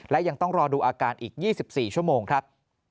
และยังต้องรอดูอาการอีก๒๔ชั่วโมงครับ